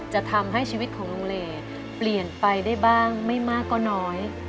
จะทำให้ชีวิตของลุงเลเปลี่ยนไปได้บ้างไม่มากก็น้อย